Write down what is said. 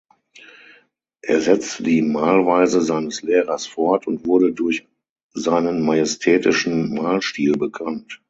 Er setzte die Malweise seines Lehrers fort und wurde durch seinen majestätischen Malstil bekannt.